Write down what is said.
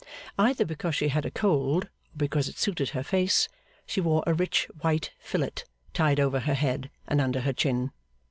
Either because she had a cold, or because it suited her face, she wore a rich white fillet tied over her head and under her chin.